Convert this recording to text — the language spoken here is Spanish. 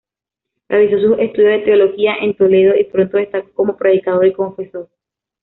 Realizó sus estudios de teología en Toledo y pronto destacó como predicador y confesor.